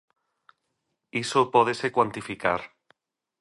Iso pódese cuantificar.